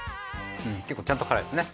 結構ちゃんと辛いですね。